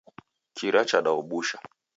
Kira chadaobusha.